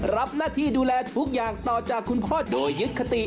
รับหน้าที่ดูแลทุกอย่างต่อจากคุณพ่อโดยยึดคติ